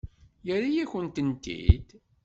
Yerra-yakent-tent-id?